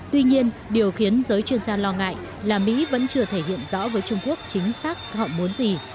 tuy nhiên điều khiến giới chuyên gia lo ngại là mỹ vẫn chưa thể hiện rõ với trung quốc chính xác họ muốn gì